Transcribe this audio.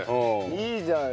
いいじゃん。